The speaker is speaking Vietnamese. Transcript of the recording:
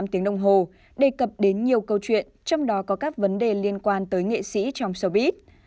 tiếng đông hồ đề cập đến nhiều câu chuyện trong đó có các vấn đề liên quan tới nghệ sĩ trong showbiz